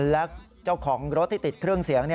และเจ้าของรถที่ติดเครื่องเสียง